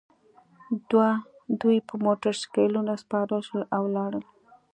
دوی په موټرسایکلونو سپاره شول او لاړل